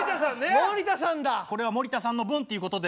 森田さんだ！